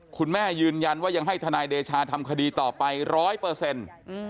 คุณแม่ยืนยันว่ายังให้ทนายเดชาทำคดีต่อไปร้อยเปอร์เซ็นต์